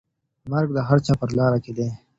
مرګ د هر چا په لاره کي دی.